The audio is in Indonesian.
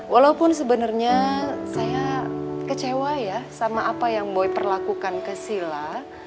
walaupun sebenarnya saya kecewa ya sama apa yang boy perlakukan ke sila